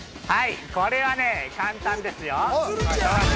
◆これはね、簡単ですよ。